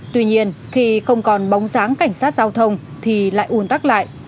tuy nhiên khi không còn bóng dáng cảnh sát giao thông thì lại ủn tắc lại